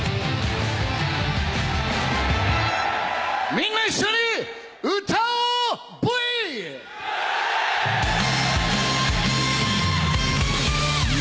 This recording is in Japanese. みんな一緒に歌おう！